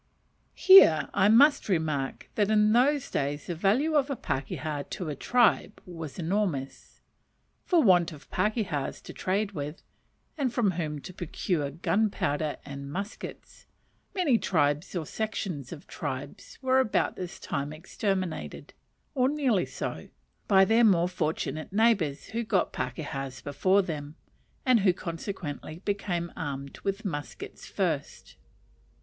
Here I must remark that in those days the value of a pakeha to a tribe was enormous. For want of pakehas to trade with, and from whom to procure gunpowder and muskets, many tribes or sections of tribes were about this time exterminated, or nearly so, by their more fortunate neighbours who got pakehas before them, and who consequently became armed with muskets first.